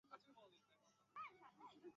有野晋哉与滨口优是国中与高中同学。